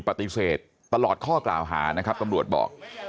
ปฏิเสธตลอดข้อกล่าวหานะครับตำรวจบอก